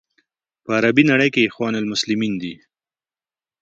په عربي نړۍ کې اخوان المسلمین دي.